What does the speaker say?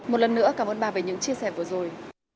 một lần nữa cảm ơn bà về những chia sẻ vừa rồi